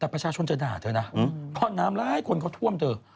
แต่ประชาชนจะด่าเธอนะเพราะน้ำร้ายคนเขาท่วมเธอ